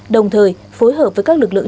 đồng thời phối hợp với các lực lượng